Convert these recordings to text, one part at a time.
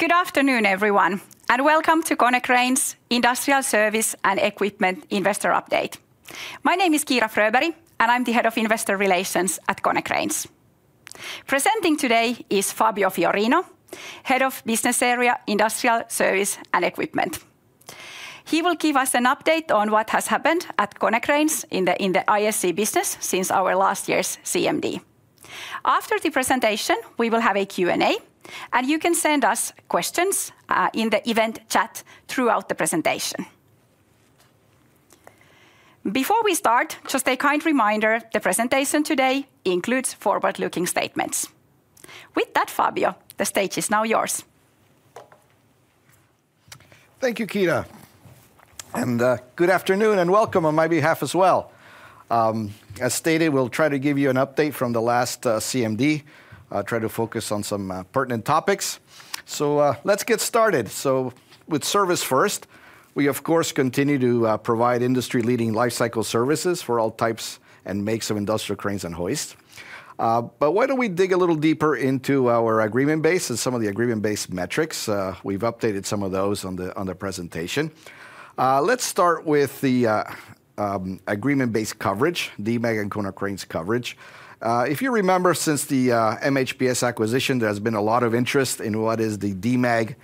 Good afternoon, everyone, and welcome to Konecranes Industrial Service and Equipment Investor Update. My name is Kiira Fröberg, and I'm the Head of Investor Relations at Konecranes. Presenting today is Fabio Fiorino, Head of Business Area, Industrial Service and Equipment. He will give us an update on what has happened at Konecranes in the ISE business since our last year's CMD. After the presentation, we will have a Q&A, and you can send us questions in the event chat throughout the presentation. Before we start, just a kind reminder, the presentation today includes forward-looking statements. With that, Fabio, the stage is now yours. Thank you, Kiira, and good afternoon, and welcome on my behalf as well. As stated, we'll try to give you an update from the last CMD, try to focus on some pertinent topics. So, let's get started. With service first, we of course continue to provide industry-leading lifecycle services for all types and makes of industrial cranes and hoists. But why don't we dig a little deeper into our agreement base and some of the agreement-based metrics? We've updated some of those on the presentation. Let's start with the agreement-based coverage, the Demag and Konecranes coverage. If you remember, since the MHPS acquisition, there has been a lot of interest in what is the Demag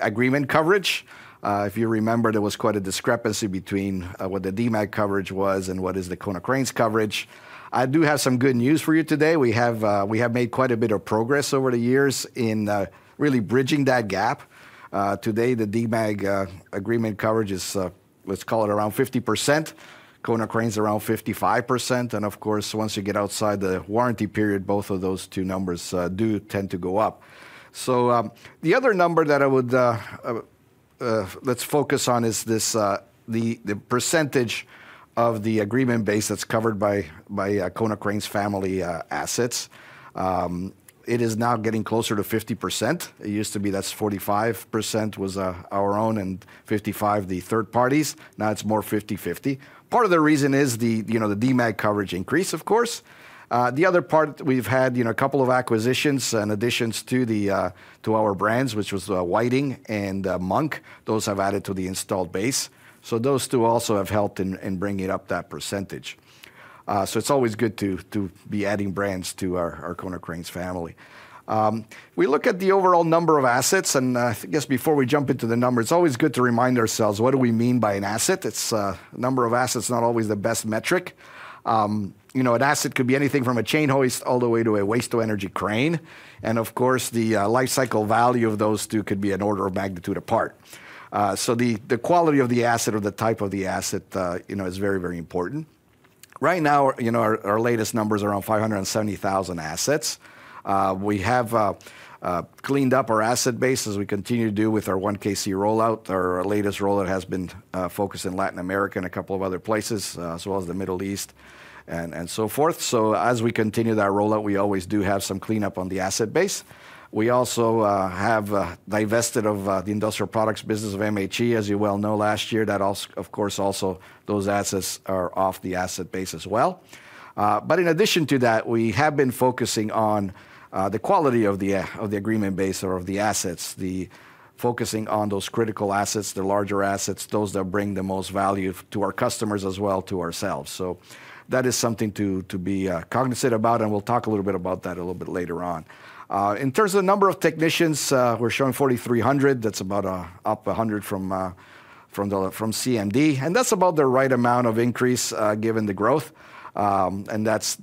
agreement coverage. If you remember, there was quite a discrepancy between what the Demag coverage was and what is the Konecranes coverage. I do have some good news for you today. We have made quite a bit of progress over the years in really bridging that gap. Today, the Demag agreement coverage is, let's call it around 50%, Konecranes around 55%, and of course, once you get outside the warranty period, both of those two numbers do tend to go up. So, the other number that I would let's focus on is this, the percentage of the agreement base that's covered by Konecranes family assets. It is now getting closer to 50%. It used to be that's 45% was our own, and 55%, the third parties. Now, it's more 50/50. Part of the reason is the, you know, the Demag coverage increase, of course. The other part, we've had, you know, a couple of acquisitions and additions to the, to our brands, which was, Whiting and, Munck. Those have added to the installed base, so those two also have helped in, in bringing up that percentage. So it's always good to, to be adding brands to our, our Konecranes family. We look at the overall number of assets, and, I guess before we jump into the numbers, it's always good to remind ourselves, what do we mean by an asset? It's, number of assets is not always the best metric. You know, an asset could be anything from a chain hoist all the way to a waste-to-energy crane, and of course, the lifecycle value of those two could be an order of magnitude apart. So the quality of the asset or the type of the asset, you know, is very, very important. Right now, you know, our latest numbers are around 570,000 assets. We have cleaned up our asset base, as we continue to do with our 1KC rollout. Our latest rollout has been focused in Latin America and a couple of other places, as well as the Middle East and so forth. So as we continue that rollout, we always do have some cleanup on the asset base. We also have divested of the industrial products business of MHE, as you well know, last year. That also, of course, also those assets are off the asset base as well. But in addition to that, we have been focusing on the quality of the agreement base or of the assets, focusing on those critical assets, the larger assets, those that bring the most value to our customers as well to ourselves. So that is something to be cognizant about, and we'll talk a little bit about that a little bit later on. In terms of the number of technicians, we're showing 4,300. That's about up 100 from CMD, and that's about the right amount of increase given the growth. And that's...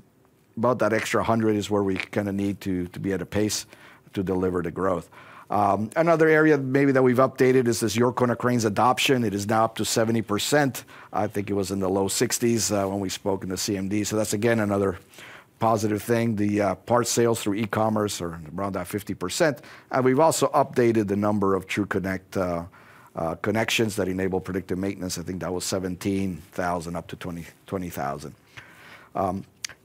about that extra 100 is where we kinda need to be at a pace to deliver the growth. Another area maybe that we've updated is this yourKONECRANES adoption. It is now up to 70%. I think it was in the low 60%s when we spoke in the CMD. So that's again another positive thing. The part sales through e-commerce are around that 50%, and we've also updated the number of TRUCONNECT connections that enable predictive maintenance. I think that was 17,000, up to 20,000.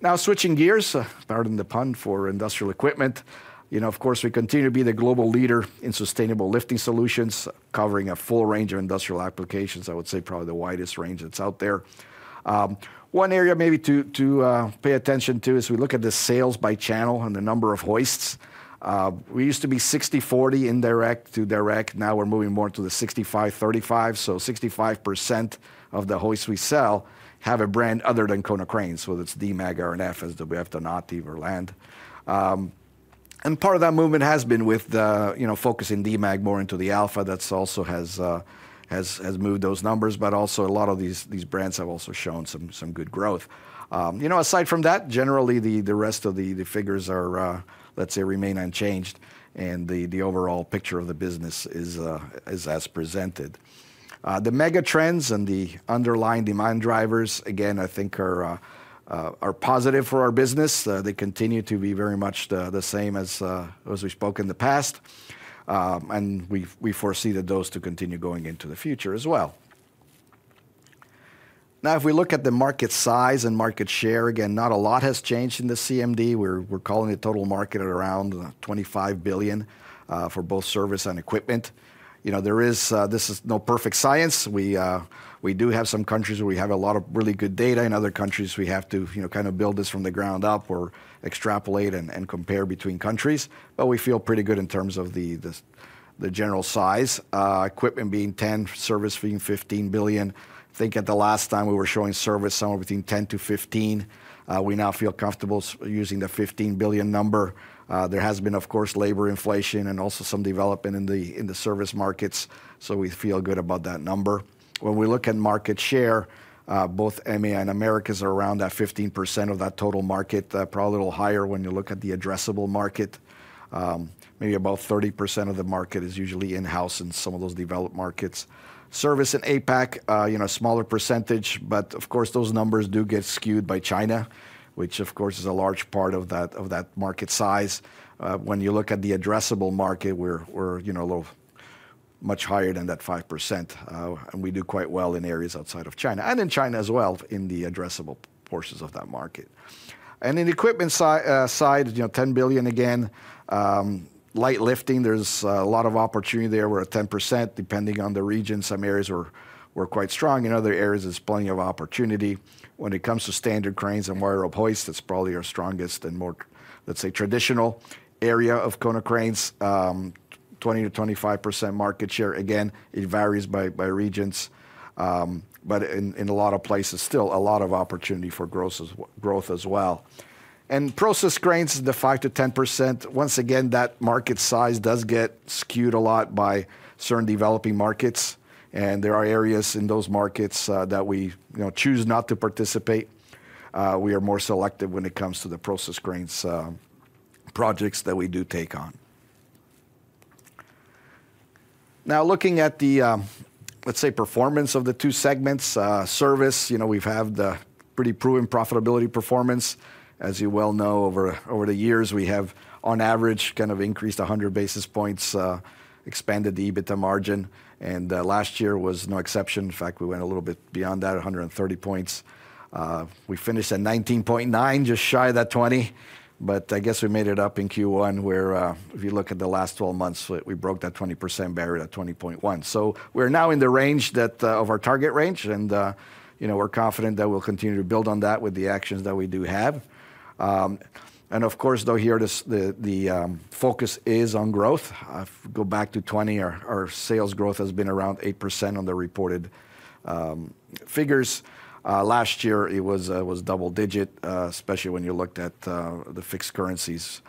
Now, switching gears, pardon the pun, for industrial equipment. You know, of course, we continue to be the global leader in sustainable lifting solutions, covering a full range of industrial applications. I would say probably the widest range that's out there. One area maybe to pay attention to is we look at the sales by channel and the number of hoists. We used to be 60/40, indirect to direct. Now, we're moving more to the 65/35. So 65% of the hoists we sell have a brand other than Konecranes, whether it's Demag, R&M, as we have Donati or Verlinde. And part of that movement has been with, you know, focusing Demag more into the Alpha. That's also has moved those numbers, but also a lot of these brands have also shown some good growth. You know, aside from that, generally the rest of the figures are, let's say, remain unchanged, and the overall picture of the business is as presented. The mega trends and the underlying demand drivers, again, I think are, are positive for our business. They continue to be very much the, the same as, as we spoke in the past. And we've, we foresee that those to continue going into the future as well.... Now, if we look at the market size and market share, again, not a lot has changed in the CMD. We're, we're calling the total market at around 25 billion for both service and equipment. You know, there is, this is no perfect science. We, we do have some countries where we have a lot of really good data. In other countries, we have to, you know, kind of build this from the ground up or extrapolate and, and compare between countries, but we feel pretty good in terms of the, the, the general size. Equipment being 10 billion, service being 15 billion. I think at the last time we were showing service somewhere between 10 billion-15 billion, we now feel comfortable using the 15 billion number. There has been, of course, labor inflation and also some development in the, in the service markets, so we feel good about that number. When we look at market share, both EMEA and Americas are around that 15% of that total market, probably a little higher when you look at the addressable market. Maybe about 30% of the market is usually in-house in some of those developed markets. Service in APAC, you know, smaller percentage, but of course, those numbers do get skewed by China, which of course, is a large part of that, of that market size. When you look at the addressable market, we're, you know, a little much higher than that 5%, and we do quite well in areas outside of China, and in China as well, in the addressable portions of that market. And in the equipment side, you know, 10 billion, again, light lifting, there's, a lot of opportunity there. We're at 10%, depending on the region. Some areas were quite strong, in other areas, there's plenty of opportunity. When it comes to standard cranes and wire rope hoist, that's probably our strongest and more, let's say, traditional area of Konecranes, 20%-25% market share. Again, it varies by regions, but in a lot of places, still a lot of opportunity for growth as well. And process cranes is the 5%-10%. Once again, that market size does get skewed a lot by certain developing markets, and there are areas in those markets that we, you know, choose not to participate. We are more selective when it comes to the process cranes projects that we do take on. Now, looking at the, let's say, performance of the two segments, service, you know, we've had the pretty proven profitability performance. As you well know, over the years, we have, on average, kind of increased 100 basis points, expanded the EBITDA margin, and last year was no exception. In fact, we went a little bit beyond that, 130 points. We finished at 19.9%, just shy of that 20%, but I guess we made it up in Q1, where, if you look at the last twelve months, we broke that 20% barrier at 20.1%. So we're now in the range of our target range, and you know, we're confident that we'll continue to build on that with the actions that we do have. And of course, though, here, the focus is on growth. If we go back to 2020, our sales growth has been around 8% on the reported figures. Last year, it was double-digit, especially when you looked at the fixed currencies.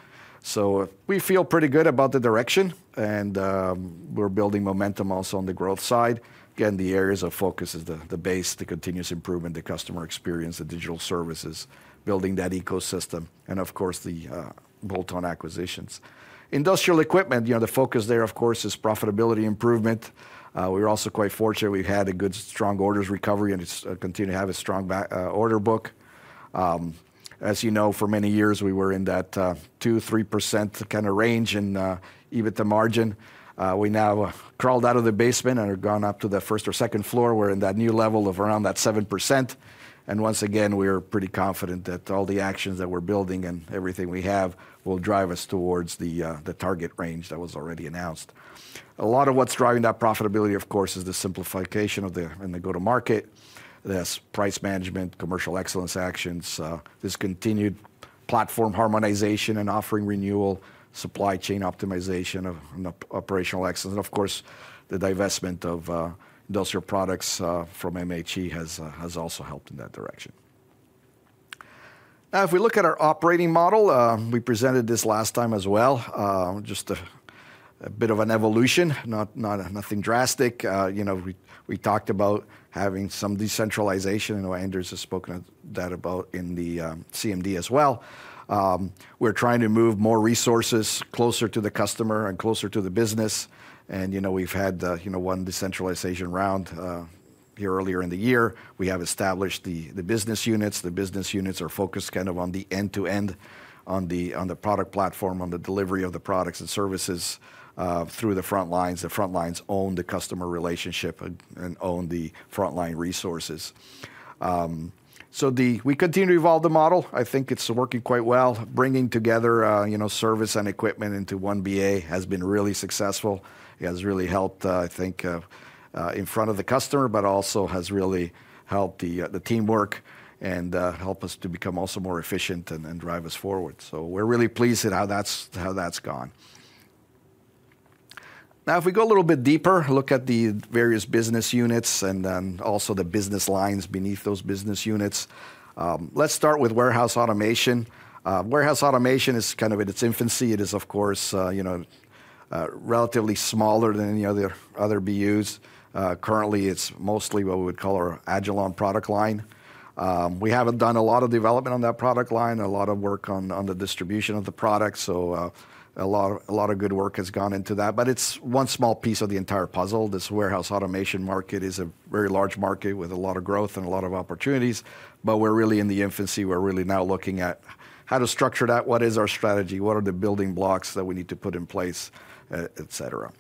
So we feel pretty good about the direction, and we're building momentum also on the growth side. Again, the areas of focus is the base, the continuous improvement, the customer experience, the digital services, building that ecosystem, and of course, the bolt-on acquisitions. Industrial equipment, you know, the focus there, of course, is profitability improvement. We're also quite fortunate we've had a good, strong orders recovery, and it's continue to have a strong back order book. As you know, for many years, we were in that 2%-3% kinda range in EBITDA margin. We now crawled out of the basement and have gone up to the first or second floor. We're in that new level of around that 7%, and once again, we are pretty confident that all the actions that we're building and everything we have will drive us towards the target range that was already announced. A lot of what's driving that profitability, of course, is the simplification and the go-to-market. There's price management, commercial excellence actions, there's continued platform harmonization and offering renewal, supply chain optimization, operational excellence, and of course, the divestment of industrial products from MHE has also helped in that direction. Now, if we look at our operating model, we presented this last time as well. Just a bit of an evolution, not nothing drastic. You know, we talked about having some decentralization, and Anders has spoken that about in the CMD as well. We're trying to move more resources closer to the customer and closer to the business, and, you know, we've had the, you know, one decentralization round earlier in the year. We have established the business units. The business units are focused kind of on the end-to-end, on the product platform, on the delivery of the products and services through the front lines. The front lines own the customer relationship and own the frontline resources. We continue to evolve the model. I think it's working quite well. Bringing together, you know, service and equipment into one BA has been really successful. It has really helped, I think, in front of the customer, but also has really helped the teamwork and helped us to become also more efficient and drive us forward. So we're really pleased at how that's, how that's gone. Now, if we go a little bit deeper, look at the various business units and, also the business lines beneath those business units. Let's start with warehouse automation. Warehouse automation is kind of in its infancy. It is, of course, you know, relatively smaller than any other, other BUs. Currently, it's mostly what we would call our Agilon product line. We haven't done a lot of development on that product line, a lot of work on, on the distribution of the product, so, a lot, a lot of good work has gone into that, but it's one small piece of the entire puzzle. This warehouse automation market is a very large market with a lot of growth and a lot of opportunities, but we're really in the infancy. We're really now looking at how to structure that, what is our strategy, what are the building blocks that we need to put in place, et cetera.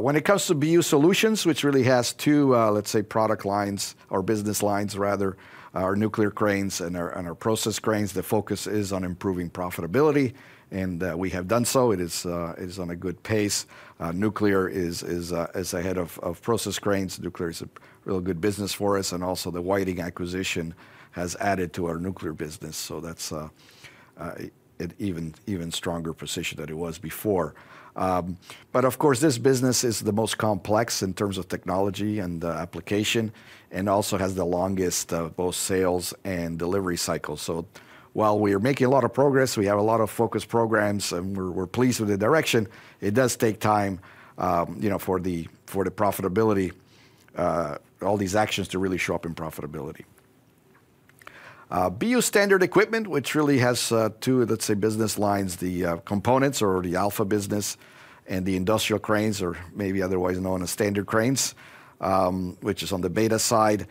When it comes to BU solutions, which really has two, let's say, product lines or business lines rather, our nuclear cranes and our process cranes, the focus is on improving profitability, and we have done so. It is on a good pace. Nuclear is ahead of process cranes. Nuclear is a really good business for us, and also the Whiting acquisition has added to our nuclear business, so that's an even stronger position than it was before. But of course, this business is the most complex in terms of technology and application, and also has the longest both sales and delivery cycle. So while we are making a lot of progress, we have a lot of focus programs, and we're pleased with the direction, it does take time, you know, for the profitability, all these actions to really show up in profitability. BU standard equipment, which really has two, let's say, business lines, the components or the Alpha business and the industrial cranes, or maybe otherwise known as standard cranes, which is on the Beta side.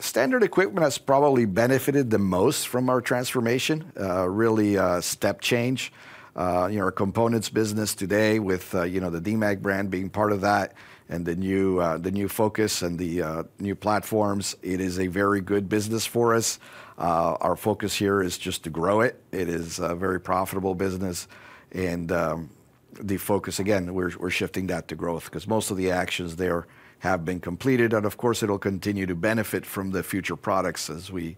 Standard equipment has probably benefited the most from our transformation, really, a step change. You know, our components business today with you know, the Demag brand being part of that and the new focus and the new platforms, it is a very good business for us. Our focus here is just to grow it. It is a very profitable business, and the focus, again, we're shifting that to growth 'cause most of the actions there have been completed. And of course, it'll continue to benefit from the future products as we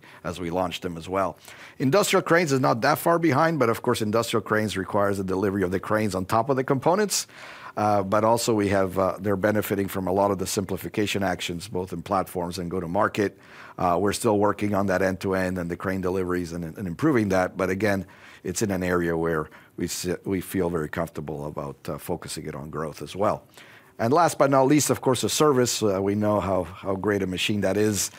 launch them as well. Industrial cranes is not that far behind, but of course, industrial cranes requires a delivery of the cranes on top of the components. But also, they're benefiting from a lot of the simplification actions, both in platforms and go-to-market. We're still working on that end-to-end and the crane deliveries and improving that, but again, it's in an area where we feel very comfortable about focusing it on growth as well. And last but not least, of course, the service, we know how great a machine that is.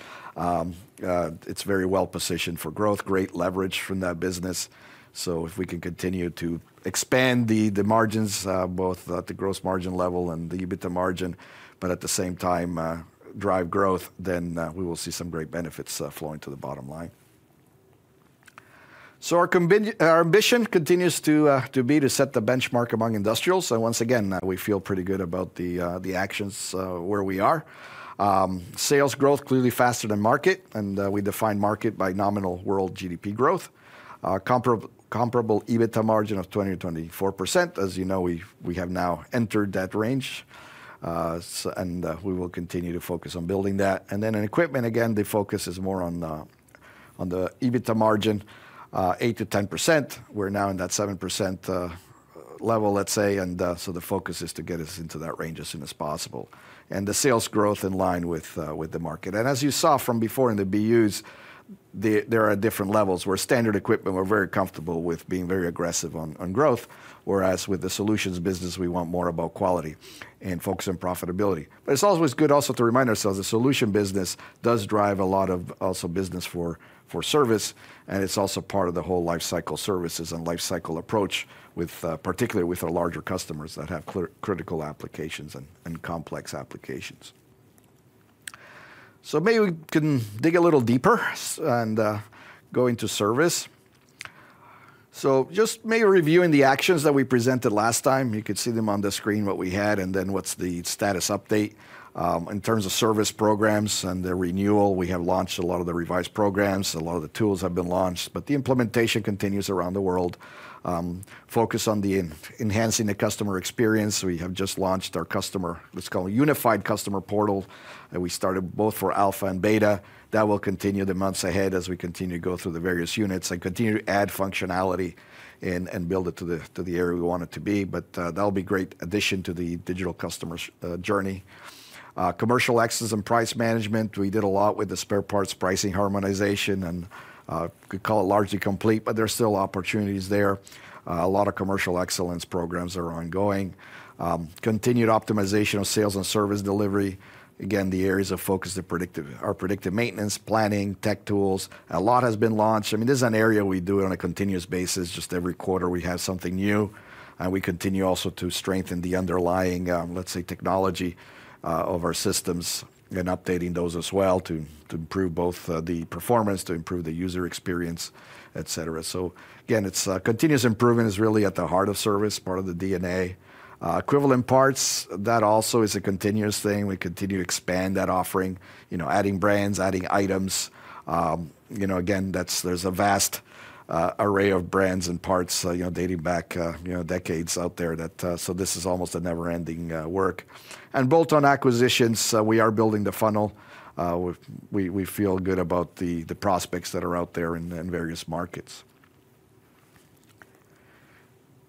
It's very well-positioned for growth, great leverage from that business. So if we can continue to expand the margins, both at the gross margin level and the EBITDA margin, but at the same time, drive growth, then we will see some great benefits flowing to the bottom line. So our ambition continues to be to set the benchmark among industrials. So once again, we feel pretty good about the actions where we are. Sales growth, clearly faster than market, and we define market by nominal world GDP growth. Comparable EBITDA margin of 20%-24%. As you know, we have now entered that range, and we will continue to focus on building that. Then in equipment, again, the focus is more on the, on the EBITDA margin, 8%-10%. We're now in that 7% level, let's say, and so the focus is to get us into that range as soon as possible. The sales growth in line with the market. As you saw from before in the BUs, there are different levels, where standard equipment, we're very comfortable with being very aggressive on growth, whereas with the solutions business, we want more about quality and focus on profitability. But it's always good also to remind ourselves, the solution business does drive a lot of also business for service, and it's also part of the whole lifecycle services and lifecycle approach with, particularly with our larger customers that have critical applications and complex applications. So maybe we can dig a little deeper and go into service. So just maybe reviewing the actions that we presented last time, you could see them on the screen, what we had, and then what's the status update. In terms of service programs and the renewal, we have launched a lot of the revised programs. A lot of the tools have been launched, but the implementation continues around the world. Focus on enhancing the customer experience. We have just launched our customer, what's called a unified customer portal, that we started both for Alpha and Beta. That will continue the months ahead as we continue to go through the various units and continue to add functionality and build it to the area we want it to be. But that'll be great addition to the digital customer journey. Commercial excellence and price management, we did a lot with the spare parts pricing harmonization, and could call it largely complete, but there are still opportunities there. A lot of commercial excellence programs are ongoing. Continued optimization of sales and service delivery. Again, the areas of focus, our predictive maintenance, planning, tech tools. A lot has been launched. I mean, this is an area we do it on a continuous basis. Just every quarter, we have something new, and we continue also to strengthen the underlying, let's say, technology of our systems and updating those as well to improve both the performance, to improve the user experience, et cetera. So again, it's continuous improvement is really at the heart of service, part of the DNA. Equivalent parts, that also is a continuous thing. We continue to expand that offering, you know, adding brands, adding items. You know, again, that's. There's a vast array of brands and parts, you know, dating back, you know, decades out there that... so this is almost a never-ending work. And bolt-on acquisitions, we are building the funnel. We feel good about the prospects that are out there in various markets.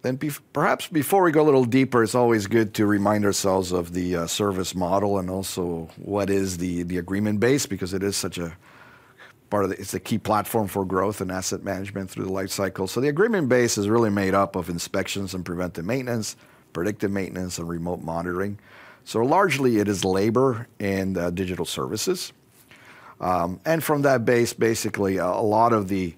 Then perhaps before we go a little deeper, it's always good to remind ourselves of the service model and also what is the agreement base, because it is such a part of the. It's a key platform for growth and asset management through the lifecycle. So the agreement base is really made up of inspections and preventive maintenance, predictive maintenance, and remote monitoring. So largely, it is labor and digital services.... And from that base, basically, a lot of the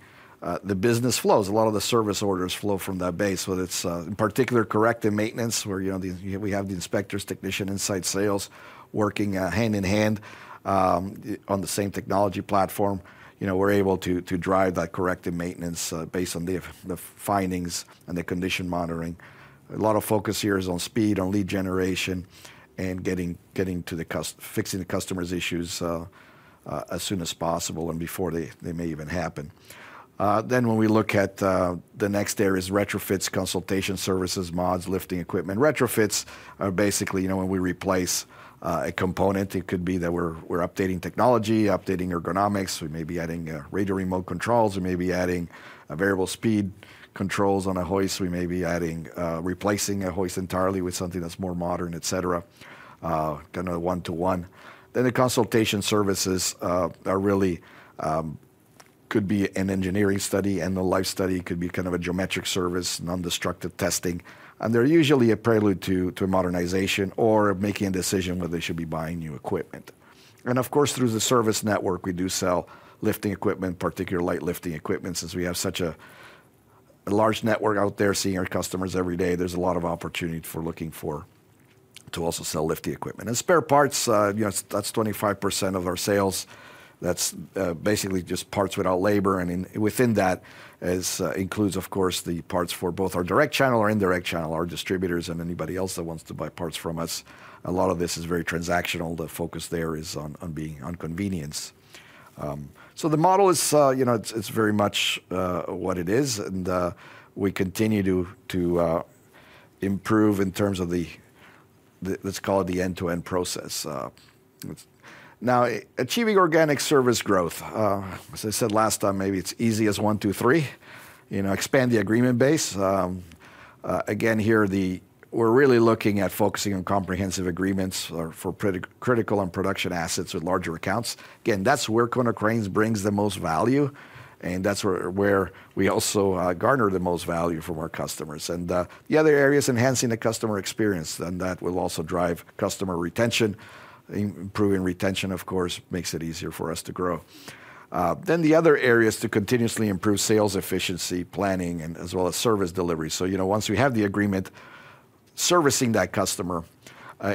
business flows, a lot of the service orders flow from that base, whether it's, in particular, corrective maintenance, where, you know, we have the inspectors, technician, inside sales, working hand-in-hand on the same technology platform. You know, we're able to drive that corrective maintenance based on the findings and the condition monitoring. A lot of focus here is on speed, on lead generation, and fixing the customer's issues as soon as possible and before they may even happen. Then when we look at the next area is retrofits, consultation services, mods, lifting equipment. Retrofits are basically, you know, when we replace a component. It could be that we're updating technology, updating ergonomics. We may be adding radio remote controls, we may be adding variable speed controls on a hoist, we may be adding replacing a hoist entirely with something that's more modern, et cetera, kind of one-to-one. Then the consultation services are really could be an engineering study, and the life study could be kind of a geometric service, nondestructive testing. And they're usually a prelude to a modernization or making a decision whether they should be buying new equipment. And of course, through the service network, we do sell lifting equipment, particularly light lifting equipment, since we have such a large network out there, seeing our customers every day. There's a lot of opportunity for looking to also sell lifting equipment. And spare parts, you know, that's 25% of our sales. That's basically just parts without labor, and within that includes, of course, the parts for both our direct channel or indirect channel, our distributors and anybody else that wants to buy parts from us. A lot of this is very transactional. The focus there is on being on convenience. So the model is, you know, it's very much what it is, and we continue to improve in terms of the... Let's call it the end-to-end process, it's. Now, achieving organic service growth, as I said last time, maybe it's easy as one, two, three. You know, expand the agreement base. Again, here, we're really looking at focusing on comprehensive agreements for critical and production assets with larger accounts. Again, that's where Konecranes brings the most value, and that's where we also garner the most value from our customers. The other area is enhancing the customer experience, and that will also drive customer retention. Improving retention, of course, makes it easier for us to grow. The other area is to continuously improve sales, efficiency, planning, and as well as service delivery. You know, once we have the agreement, servicing that customer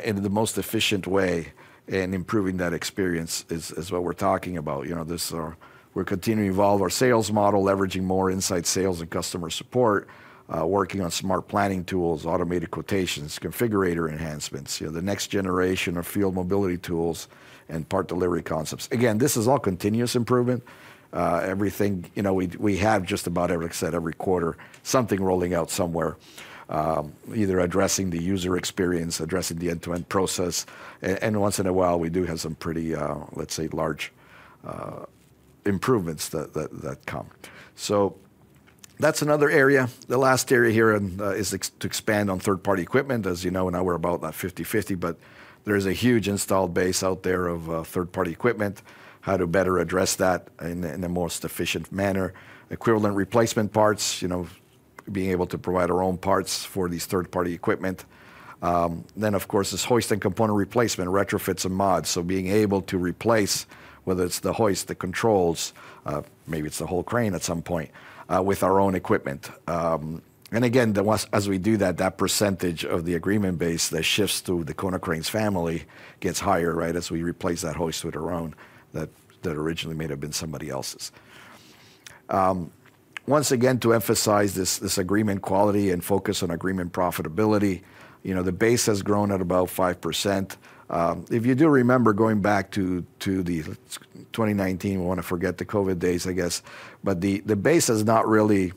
in the most efficient way and improving that experience is what we're talking about. You know, we're continuing to evolve our sales model, leveraging more inside sales and customer support, working on smart planning tools, automated quotations, configurator enhancements, the next generation of field mobility tools and part delivery concepts. Again, this is all continuous improvement. Everything, you know, we have just about, like I said, every quarter, something rolling out somewhere, either addressing the user experience, addressing the end-to-end process, and once in a while, we do have some pretty, let's say, large improvements that come. So that's another area. The last area here is to expand on third-party equipment. As you know, now we're about 50/50, but there is a huge installed base out there of third-party equipment, how to better address that in the most efficient manner. Equivalent replacement parts, you know, being able to provide our own parts for these third-party equipment. Then, of course, there's hoist and component replacement, retrofits and mods. So being able to replace, whether it's the hoist, the controls, maybe it's the whole crane at some point, with our own equipment. And again, as we do that, that percentage of the agreement base that shifts to the Konecranes family gets higher, right? As we replace that hoist with our own, that, that originally may have been somebody else's. Once again, to emphasize this, this agreement quality and focus on agreement profitability, you know, the base has grown at about 5%. If you do remember going back to, to the 2019, we want to forget the COVID days, I guess, but the, the base has not really,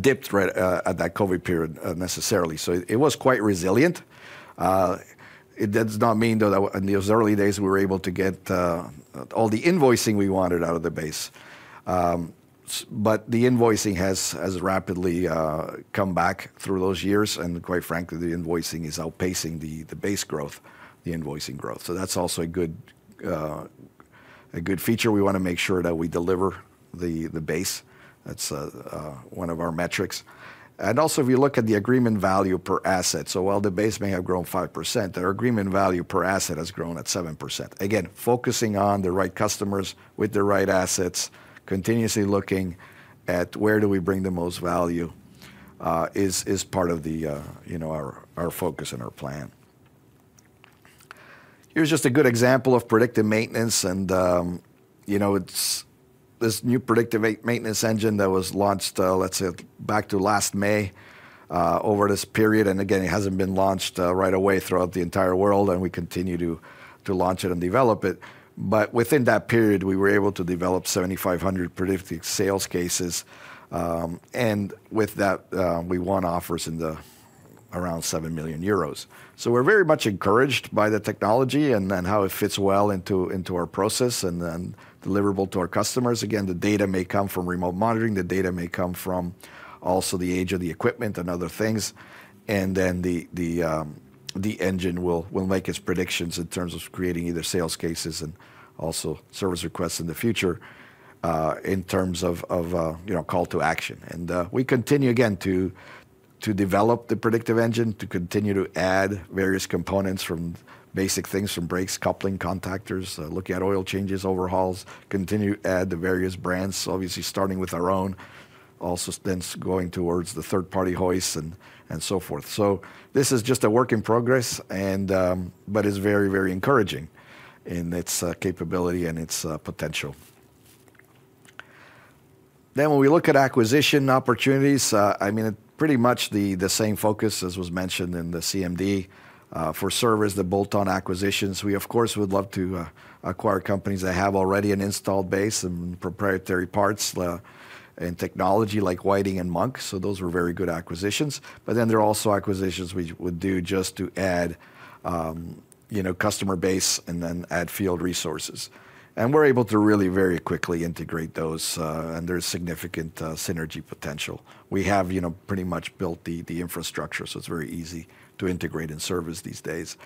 dipped, right, at that COVID period, necessarily. So it was quite resilient. It does not mean, though, that in those early days, we were able to get all the invoicing we wanted out of the base. But the invoicing has rapidly come back through those years, and quite frankly, the invoicing is outpacing the base growth, the invoicing growth. So that's also a good feature. We wanna make sure that we deliver the base. That's one of our metrics. And also, if you look at the agreement value per asset, so while the base may have grown 5%, our agreement value per asset has grown at 7%. Again, focusing on the right customers with the right assets, continuously looking at where do we bring the most value, is part of the, you know, our focus and our plan. Here's just a good example of predictive maintenance, and, you know, it's this new predictive maintenance engine that was launched, let's say, back to last May, over this period, and again, it hasn't been launched right away throughout the entire world, and we continue to launch it and develop it. But within that period, we were able to develop 7,500 predictive sales cases, and with that, we won offers in the around 7 million euros. So we're very much encouraged by the technology and then how it fits well into our process and then deliverable to our customers. Again, the data may come from remote monitoring, the data may come from also the age of the equipment and other things, and then the engine will make its predictions in terms of creating either sales cases and also service requests in the future, in terms of, you know, call to action. And we continue, again, to develop the predictive engine, to continue to add various components from basic things, from brakes, coupling, contactors, looking at oil changes, overhauls, continue to add the various brands, obviously, starting with our own, also thence going towards the third-party hoists and so forth. So this is just a work in progress, and but it's very, very encouraging in its capability and its potential. Then when we look at acquisition opportunities, I mean, pretty much the same focus as was mentioned in the CMD, for service, the bolt-on acquisitions. We, of course, would love to acquire companies that have already an installed base and proprietary parts, and technology like Whiting and Munck, so those were very good acquisitions. But then there are also acquisitions we would do just to add, you know, customer base and then add field resources. And we're able to really very quickly integrate those, and there's significant synergy potential. We have, you know, pretty much built the infrastructure, so it's very easy to integrate and service these days.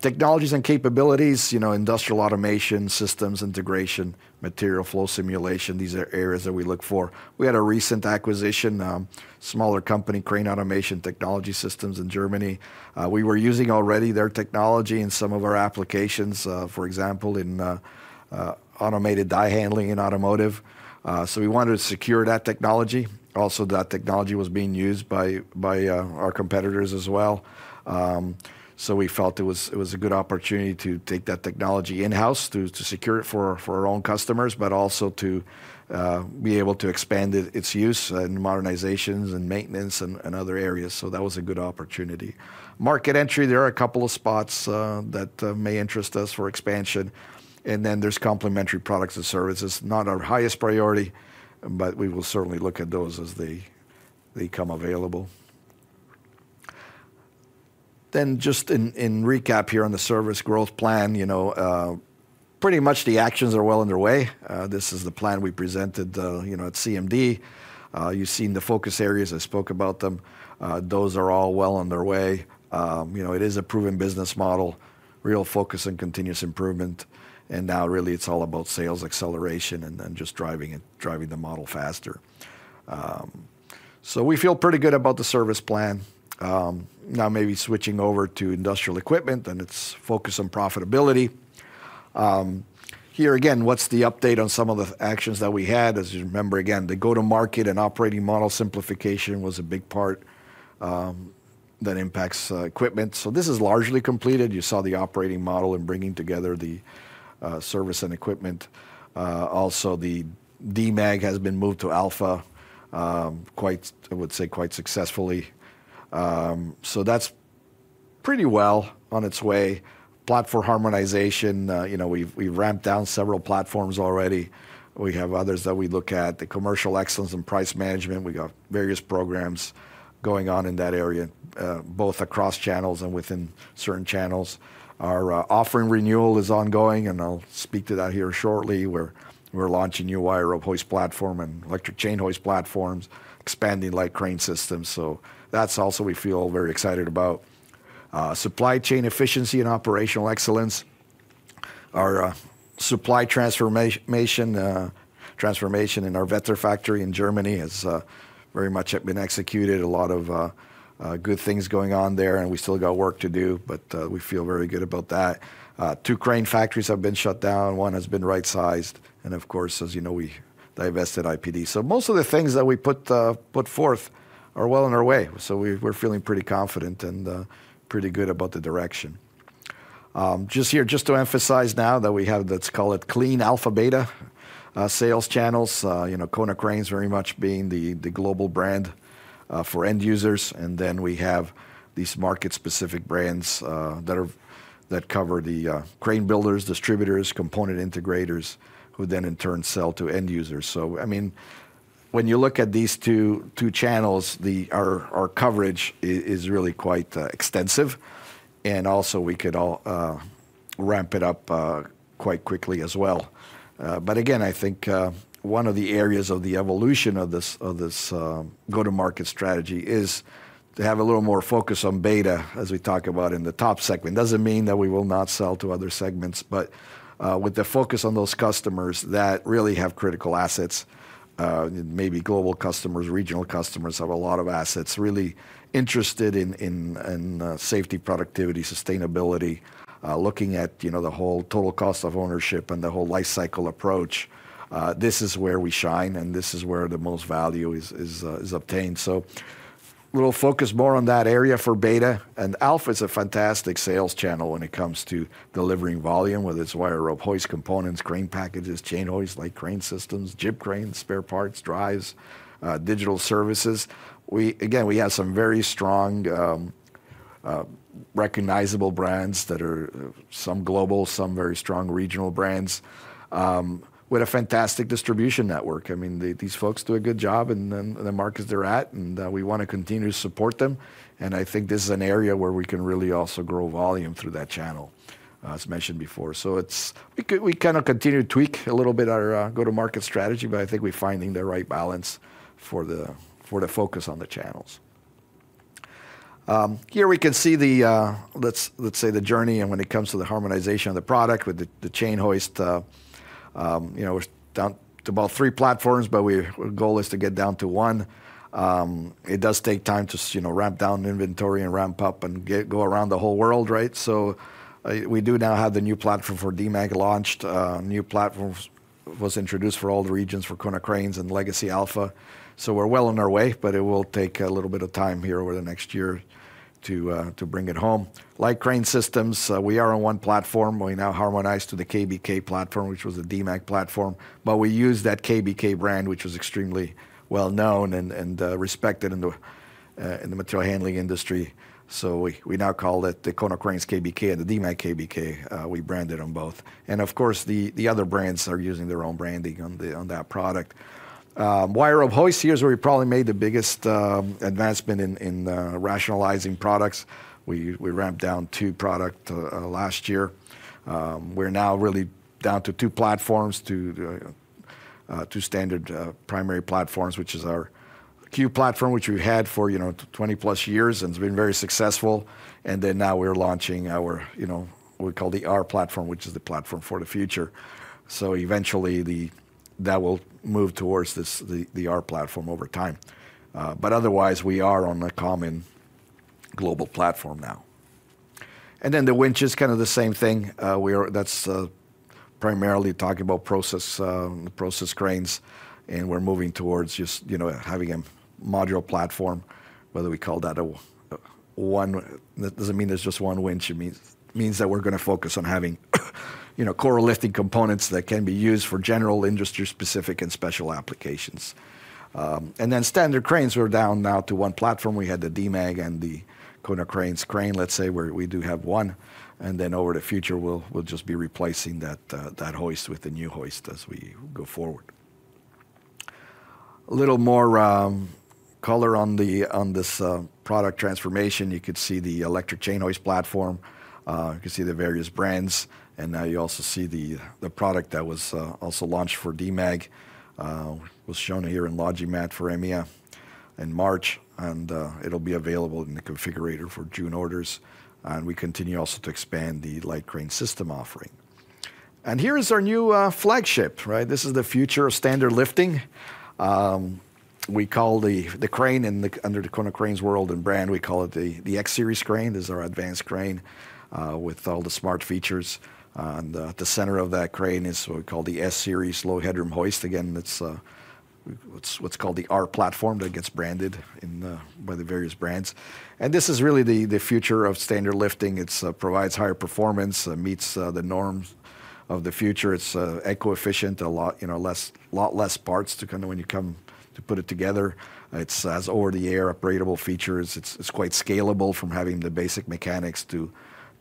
Technologies and capabilities, you know, industrial automation, systems integration, material flow simulation, these are areas that we look for. We had a recent acquisition, smaller company, Crane Automation Technology Systems in Germany. We were using already their technology in some of our applications, for example, in automated die handling in automotive. So we wanted to secure that technology. Also, that technology was being used by our competitors as well. So we felt it was a good opportunity to take that technology in-house, to secure it for our own customers, but also to be able to expand its use in modernizations and maintenance and other areas. So that was a good opportunity. Market entry, there are a couple of spots that may interest us for expansion, and then there's complementary products and services. Not our highest priority, but we will certainly look at those as they come available. Then just in recap here on the service growth plan, you know, pretty much the actions are well on their way. This is the plan we presented, you know, at CMD. You've seen the focus areas, I spoke about them. Those are all well on their way. You know, it is a proven business model, real focus on continuous improvement, and now really it's all about sales acceleration and then just driving it, driving the model faster. So we feel pretty good about the service plan. Now maybe switching over to industrial equipment and its focus on profitability. Here again, what's the update on some of the actions that we had? As you remember, again, the go-to-market and operating model simplification was a big part, that impacts equipment. So this is largely completed. You saw the operating model and bringing together the service and equipment. Also, the Demag has been moved to Alpha, quite, I would say, quite successfully. So that's pretty well on its way. Platform harmonization, you know, we've ramped down several platforms already. We have others that we look at. The commercial excellence and price management, we got various programs going on in that area, both across channels and within certain channels. Our offering renewal is ongoing, and I'll speak to that here shortly, where we're launching new wire rope hoist platform and electric chain hoist platforms, expanding light crane systems. So that's also we feel very excited about. Supply chain efficiency and operational excellence. Our supply transformation in our Wetter factory in Germany has very much been executed. A lot of good things going on there, and we still got work to do, but we feel very good about that. Two crane factories have been shut down, one has been right-sized, and of course, as you know, we divested IPD. So most of the things that we put forth are well on our way. So we're feeling pretty confident and pretty good about the direction. Just here, just to emphasize now that we have, let's call it clean Alpha/Beta sales channels, you know, Konecranes very much being the global brand for end users, and then we have these market-specific brands that cover the crane builders, distributors, component integrators, who then in turn sell to end users. So I mean, when you look at these two channels, the... Our coverage is really quite extensive, and also we can ramp it up quite quickly as well. But again, I think one of the areas of the evolution of this go-to-market strategy is to have a little more focus on Beta, as we talk about in the top segment. Doesn't mean that we will not sell to other segments, but with the focus on those customers that really have critical assets, maybe global customers, regional customers have a lot of assets, really interested in safety, productivity, sustainability, looking at, you know, the whole total cost of ownership and the whole life cycle approach, this is where we shine, and this is where the most value is obtained. So we'll focus more on that area for Beta, and Alpha is a fantastic sales channel when it comes to delivering volume, whether it's wire rope, hoist components, crane packages, chain hoists, light crane systems, jib cranes, spare parts, drives, digital services. Again, we have some very strong, recognizable brands that are some global, some very strong regional brands, with a fantastic distribution network. I mean, these folks do a good job in the markets they're at, and we wanna continue to support them. And I think this is an area where we can really also grow volume through that channel, as mentioned before. So it's... we kind of continue to tweak a little bit our go-to-market strategy, but I think we're finding the right balance for the focus on the channels.... Here we can see the, let's say, the journey and when it comes to the harmonization of the product with the chain hoist, you know, we're down to about three platforms, but our goal is to get down to one. It does take time to, you know, ramp down inventory and ramp up and get go around the whole world, right? So, we do now have the new platform for Demag launched. New platform was introduced for all the regions for Konecranes and Legacy Alpha. So we're well on our way, but it will take a little bit of time here over the next year to bring it home. Light crane systems, we are on one platform. We now harmonized to the KBK platform, which was a Demag platform, but we used that KBK brand, which was extremely well known and respected in the material handling industry. So we now call it the Konecranes KBK and the Demag KBK, we branded them both. And of course, the other brands are using their own branding on that product. Wire rope hoist, here is where we probably made the biggest advancement in rationalizing products. We ramped down two product last year. We're now really down to two platforms, two standard primary platforms, which is our Q-platform, which we've had for, you know, 20+ years, and it's been very successful. Now we're launching our, you know, what we call the R-platform, which is the platform for the future. So eventually, that will move towards this, the R-platform over time. But otherwise, we are on a common global platform now. And then the winch is kind of the same thing. We are... That's primarily talking about process, process cranes, and we're moving towards just, you know, having a modular platform, whether we call that a one-- That doesn't mean there's just one winch, it means that we're gonna focus on having, you know, core lifting components that can be used for general industry-specific and special applications. And then standard cranes, we're down now to one platform. We had the Demag and the Konecranes crane. Let's say we do have one, and then over the future, we'll just be replacing that hoist with the new hoist as we go forward. A little more color on this product transformation. You could see the electric chain hoist platform. You can see the various brands, and now you also see the product that was also launched for Demag, was shown here in LogiMAT for EMEA in March, and it'll be available in the configurator for June orders. And we continue also to expand the light crane system offering. And here is our new flagship, right? This is the future of standard lifting. We call the crane in the Konecranes world and brand, we call it the X-series crane. This is our advanced crane with all the smart features, and the center of that crane is what we call the S-series low headroom hoist. Again, it's what's called the R-platform that gets branded by the various brands. And this is really the future of standard lifting. It provides higher performance, meets the norms of the future. It's eco-efficient, a lot less, you know, a lot less parts to kind of, when you come to put it together. It has over-the-air upgradable features. It's quite scalable from having the basic mechanics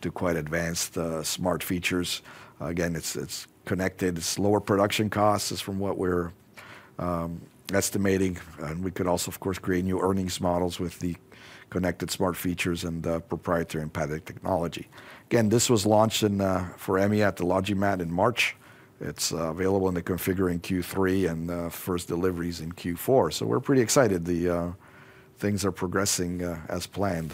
to quite advanced smart features. Again, it's connected. It's lower production costs as from what we're estimating, and we could also, of course, create new earnings models with the connected smart features and the proprietary empathic technology. Again, this was launched in for EMEA at the LogiMAT in March. It's available in the configure in Q3 and first delivery is in Q4. So we're pretty excited. The things are progressing as planned.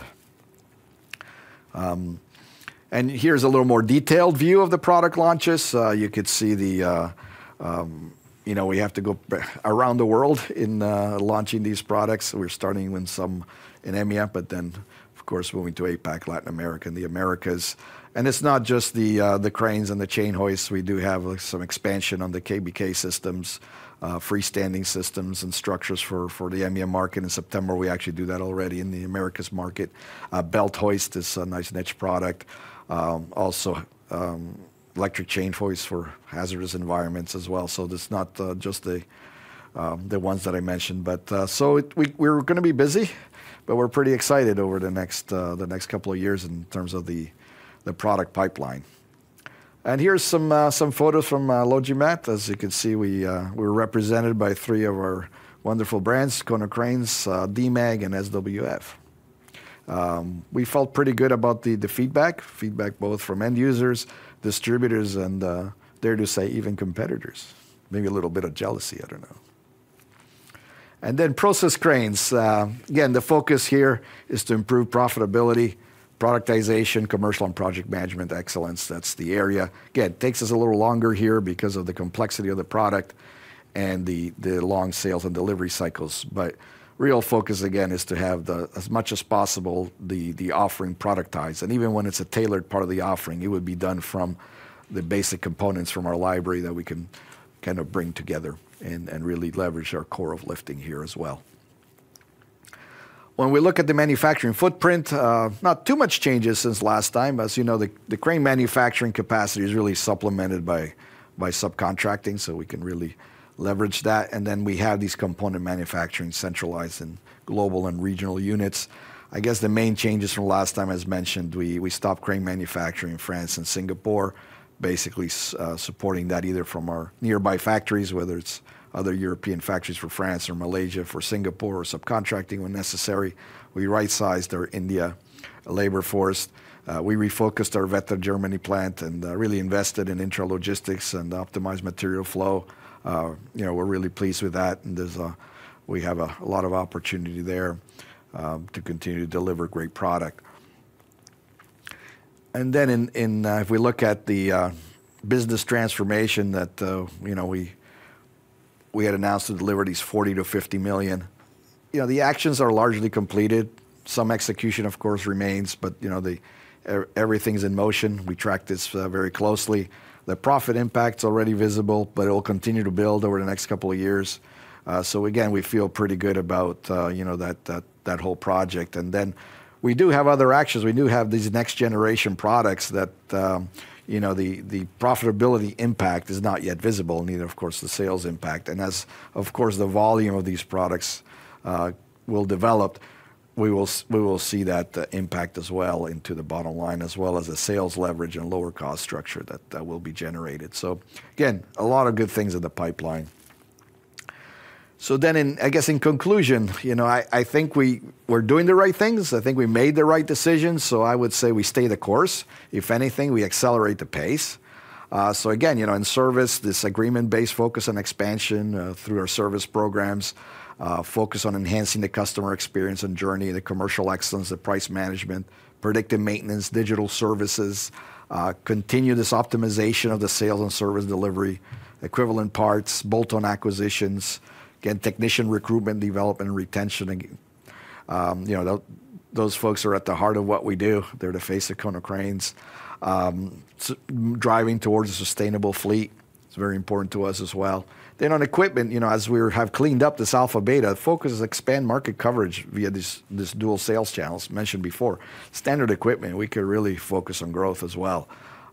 And here's a little more detailed view of the product launches. You could see the, you know, we have to go around the world in launching these products. We're starting with some in EMEA, but then, of course, moving to APAC, Latin America, and the Americas. And it's not just the the cranes and the chain hoists. We do have, like, some expansion on the KBK systems, freestanding systems and structures for the EMEA market in September. We actually do that already in the Americas market. Belt hoist is a nice niche product. Also, electric chain hoist for hazardous environments as well. So it's not just the ones that I mentioned. But so we're gonna be busy, but we're pretty excited over the next couple of years in terms of the product pipeline. And here's some photos from LogiMAT. As you can see, we're represented by three of our wonderful brands, Konecranes, Demag, and SWF. We felt pretty good about the feedback both from end users, distributors, and dare to say, even competitors. Maybe a little bit of jealousy, I don't know. And then process cranes. Again, the focus here is to improve profitability, productization, commercial and project management excellence. That's the area. Again, it takes us a little longer here because of the complexity of the product and the long sales and delivery cycles. But real focus, again, is to have, as much as possible, the offering productize. And even when it's a tailored part of the offering, it would be done from the basic components from our library that we can kind of bring together and really leverage our core of lifting here as well. When we look at the manufacturing footprint, not too much changes since last time. As you know, the crane manufacturing capacity is really supplemented by subcontracting, so we can really leverage that. And then we have these component manufacturing centralized in global and regional units. I guess the main changes from last time, as mentioned, we stopped crane manufacturing in France and Singapore, basically supporting that either from our nearby factories, whether it's other European factories for France or Malaysia, for Singapore, or subcontracting when necessary. We right-sized our Indian labor force. We refocused our Wetter, Germany plant and really invested in intra-logistics and optimized material flow. You know, we're really pleased with that, and we have a lot of opportunity there to continue to deliver great product. And then if we look at the business transformation that you know, we had announced to deliver 40 million-50 million, you know, the actions are largely completed. Some execution, of course, remains, but everything's in motion. We track this very closely. The profit impact's already visible, but it will continue to build over the next couple of years. So again, we feel pretty good about, you know, that whole project. And then we do have other actions. We do have these next generation products that, you know, the profitability impact is not yet visible, neither, of course, the sales impact. And as, of course, the volume of these products will develop, we will see that impact as well into the bottom line, as well as the sales leverage and lower cost structure that will be generated. So again, a lot of good things in the pipeline. So then I guess, in conclusion, you know, I think we're doing the right things. I think we made the right decisions, so I would say we stay the course. If anything, we accelerate the pace. So again, you know, in service, this agreement-based focus on expansion through our service programs, focus on enhancing the customer experience and journey, the commercial excellence, the price management, predictive maintenance, digital services, continue this optimization of the sales and service delivery, equivalent parts, bolt-on acquisitions, again, technician recruitment, development, and retention again. You know, those folks are at the heart of what we do. They're the face of Konecranes. Driving towards a sustainable fleet, it's very important to us as well. Then on equipment, you know, as we have cleaned up this Alpha Beta, focus is expand market coverage via these, these dual sales channels mentioned before. Standard equipment, we could really focus on growth as well.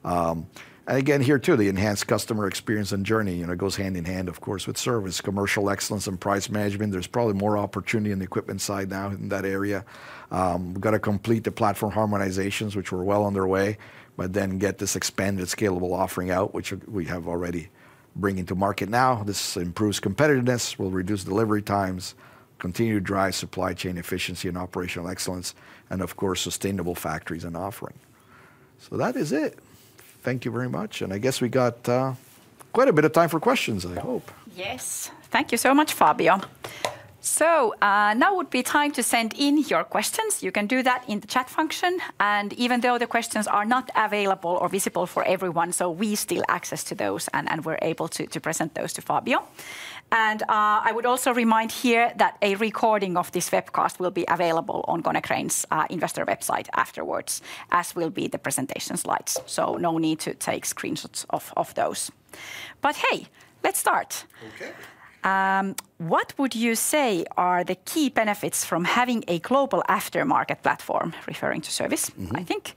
And again, here, too, the enhanced customer experience and journey, you know, it goes hand in hand, of course, with service, commercial excellence, and price management. There's probably more opportunity in the equipment side now in that area. We've got to complete the platform harmonizations, which were well on their way, but then get this expanded, scalable offering out, which we have already bringing to market now. This improves competitiveness, will reduce delivery times, continue to drive supply chain efficiency and operational excellence, and of course, sustainable factories and offering. So that is it. Thank you very much, and I guess we got quite a bit of time for questions, I hope. Yes. Thank you so much, Fabio. So, now would be time to send in your questions. You can do that in the chat function, and even though the questions are not available or visible for everyone, so we still access to those, and we're able to present those to Fabio. And I would also remind here that a recording of this webcast will be available on Konecranes investor website afterwards, as will be the presentation slides. So no need to take screenshots of those. But hey, let's start. Okay. What would you say are the key benefits from having a global aftermarket platform, referring to service- Mm-hmm... I think.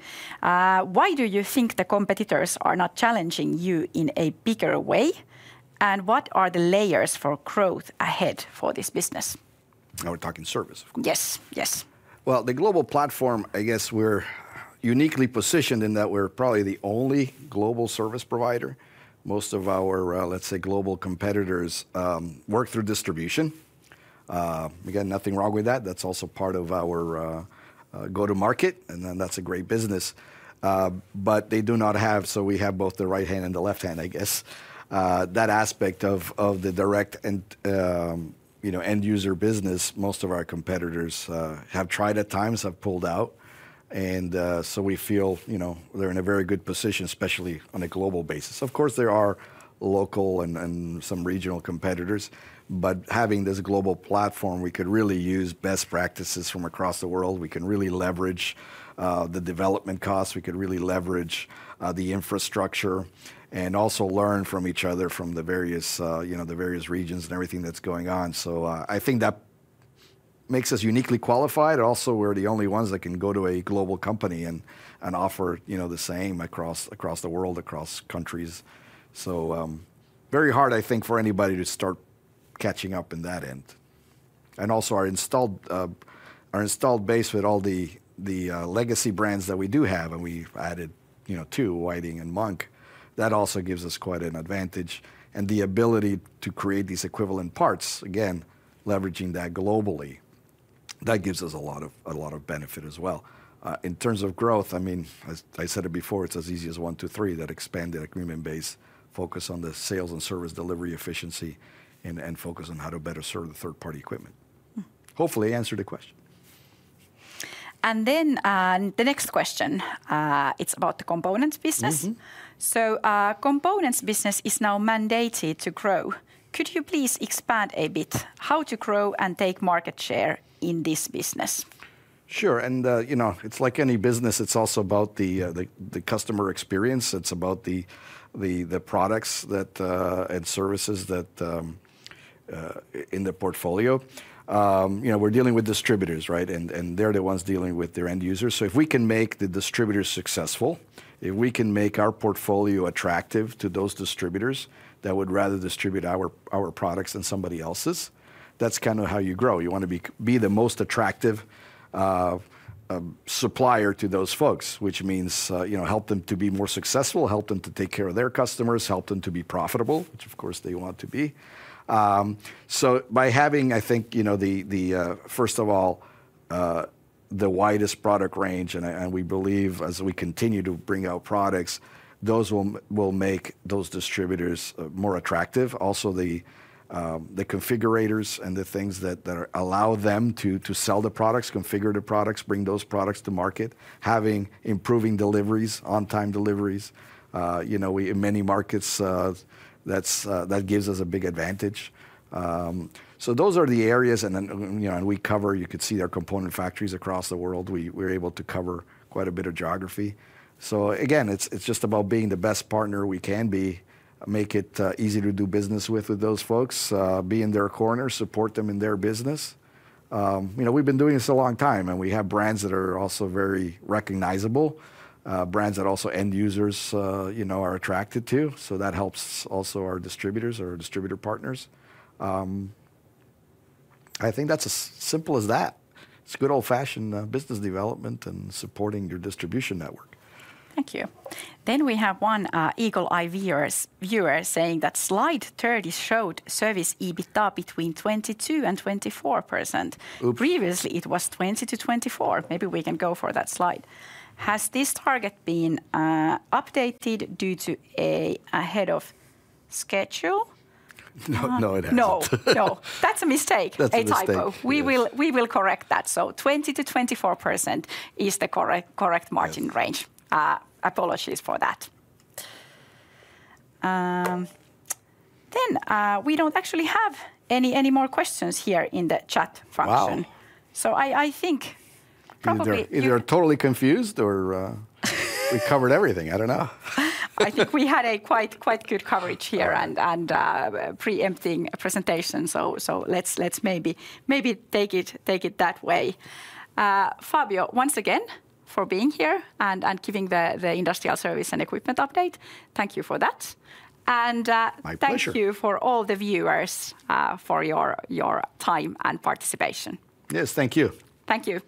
Why do you think the competitors are not challenging you in a bigger way? And what are the layers for growth ahead for this business? Now we're talking service, of course. Yes, yes. Well, the global platform, I guess we're uniquely positioned in that we're probably the only global service provider. Most of our, let's say, global competitors, work through distribution. Again, nothing wrong with that. That's also part of our, go-to-market, and then that's a great business. But they do not have... So we have both the right hand and the left hand, I guess. That aspect of the direct and, you know, end user business, most of our competitors, have tried at times, have pulled out, and, so we feel, you know, we're in a very good position, especially on a global basis. Of course, there are local and some regional competitors, but having this global platform, we could really use best practices from across the world. We can really leverage the development costs. We could really leverage the infrastructure, and also learn from each other from the various, you know, the various regions and everything that's going on. So, I think that makes us uniquely qualified. Also, we're the only ones that can go to a global company and offer, you know, the same across the world, across countries. So, very hard, I think, for anybody to start catching up in that end. And also, our installed, our installed base with all the, the, legacy brands that we do have, and we've added, you know, two, Whiting and Munck, that also gives us quite an advantage, and the ability to create these equivalent parts, again, leveraging that globally, that gives us a lot of benefit as well. In terms of growth, I mean, as I said it before, it's as easy as one, two, three, that expanded agreement base, focus on the sales and service delivery efficiency, and focus on how to better serve the third-party equipment. Mm. Hopefully, I answered the question. And then, the next question, it's about the components business. Mm-hmm. Components business is now mandated to grow. Could you please expand a bit how to grow and take market share in this business? Sure, and you know, it's like any business, it's also about the customer experience. It's about the products that and services that in the portfolio. You know, we're dealing with distributors, right? And they're the ones dealing with their end users. So if we can make the distributors successful, if we can make our portfolio attractive to those distributors that would rather distribute our products than somebody else's, that's kind of how you grow. You want to be the most attractive supplier to those folks, which means you know, help them to be more successful, help them to take care of their customers, help them to be profitable, which of course they want to be. So by having, I think, you know, the first of all-... The widest product range, and we believe as we continue to bring out products, those will make those distributors more attractive. Also, the configurators and the things that allow them to sell the products, configure the products, bring those products to market, having improving deliveries, on-time deliveries. You know, we in many markets, that's, that gives us a big advantage. So those are the areas, and then, you know, you could see our component factories across the world. We're able to cover quite a bit of geography. So again, it's just about being the best partner we can be, make it easy to do business with those folks, be in their corner, support them in their business. You know, we've been doing this a long time, and we have brands that are also very recognizable, brands that also end users, you know, are attracted to. So that helps also our distributors, our distributor partners. I think that's as simple as that. It's good old-fashioned, business development and supporting your distribution network. Thank you. We have one eagle-eyed viewer saying that slide 30 showed service EBITDA between 22%-24%. Oops. Previously, it was 20%-24%. Maybe we can go for that slide. Has this target been updated due to a ahead of schedule? No, no, it hasn't. No, no, that's a mistake- That's a mistake.... a typo. Yes. We will correct that. So 20%-24% is the correct margin range. Yes. Apologies for that. We don't actually have any more questions here in the chat function. Wow! I think probably- They're either totally confused or, we covered everything. I don't know. I think we had a quite, quite good coverage here- All right... and preempting presentation. So let's maybe take it that way. Fabio, once again, for being here and giving the industrial service and equipment update, thank you for that, and My pleasure... Thank you for all the viewers for your, your time and participation. Yes, thank you. Thank you.